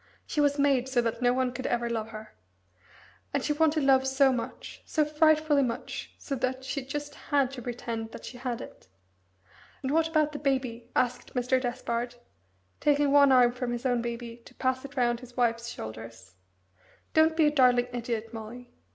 She was made so that no one could ever love her. And she wanted love so much so frightfully much, so that she just had to pretend that she had it." "And what about the Baby?" asked Mr. Despard, taking one arm from his own baby to pass it round his wife's shoulders. "Don't be a darling idiot, Molly.